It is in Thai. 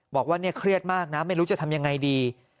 บอกว่าเนี่ยเครียดมากนะไม่รู้จะทำยังไงดี